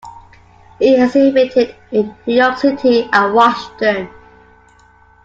He exhibited in New York City and Washington.